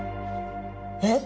えっ！？